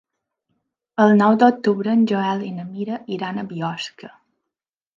El nou d'octubre en Joel i na Mira iran a Biosca.